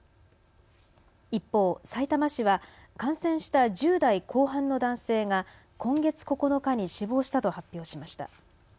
一方、さいたま市は感染した１０代後半の男性が今月９日に死亡したと発表しました。